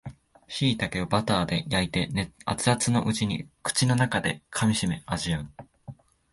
しいたけをバターで焼いて熱々のうちに口の中で噛みしめ味わう